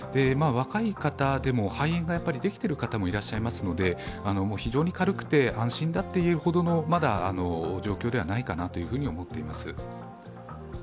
若い方でも肺炎ができている方もいらっしゃいますので、非常に軽くて安心だっていうほどの状況ではないかなと思っています。